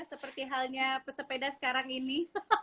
seperti halnya pesepeda sekarang ini